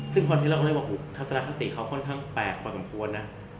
ซึ่งผ่อนท่านเล็กว่าของทัศนคติเขาค่อนข้างแปลกกว่าควรนะ